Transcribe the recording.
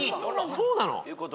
そうなの！？